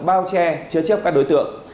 bao che chứa chếp các đối tượng